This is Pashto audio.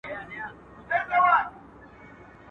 o چي هوس و، نو دي بس و.